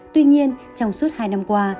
tuy nhiên trong suốt hai năm qua